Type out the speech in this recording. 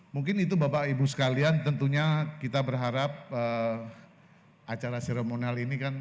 mungkin itu bapak ibu sekalian tentunya kita berharap acara seremonal ini kan